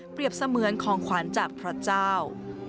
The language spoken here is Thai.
เปรียบเสมือนของขวานจากพระเจ้า